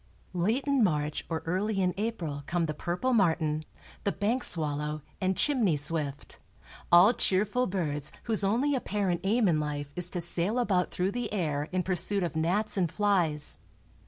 Late in March or early in April come the purple martin, the bank swallow and chimney swift, all cheerful birds whose only apparent aim in life is to sail about through the air in pursuit of gnats and flies.